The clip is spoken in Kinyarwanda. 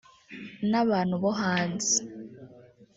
n’abantu bo hanze